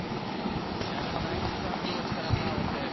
ナイスアプローチからパーをセーブ。